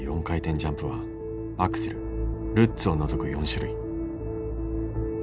４回転ジャンプはアクセルルッツを除く４種類。